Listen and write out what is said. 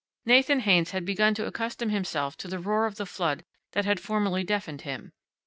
Nathan Haynes had begun to accustom himself to the roar of the flood that had formerly deafened him.